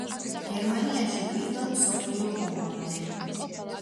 გერმანიაში პირველ მსოფლიო ომამდე.